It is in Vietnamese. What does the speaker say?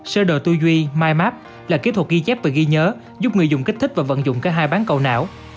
sơ đồ tuy duy mymap là kỹ thuật ghi chép và ghi nhớ giúp người dùng kích thích và vận dụng cả hai bán cầu não